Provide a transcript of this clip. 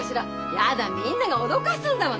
嫌だみんなが驚かすんだもん。